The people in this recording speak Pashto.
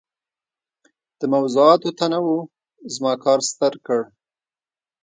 د موضوعاتو تنوع زما کار ستر کړ.